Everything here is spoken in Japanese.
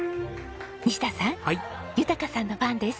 西田さん豊さんの番です。